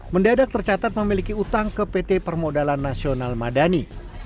mendadak tercatat memiliki utang ke pt permodalan nasional madani